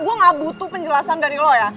gue gak butuh penjelasan dari lo ya